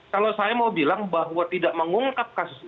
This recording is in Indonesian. kalau saya mau bilang bahwa tidak mengungkap kasus ini